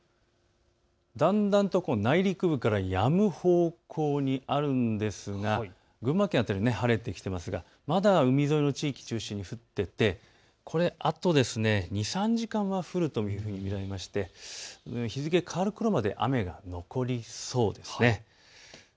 だんだん内陸部からやむ方向にあるんですが群馬県辺り晴れてきていますが、まだ海沿いの地域を中心に降っていてこれ、あと２、３時間は降るというふうに見られまして、日付が変わるころまで雨が残りそうです。